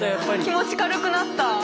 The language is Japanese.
気持ち軽くなった。